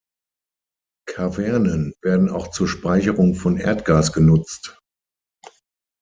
Kavernen werden auch zur Speicherung von Erdgas genutzt.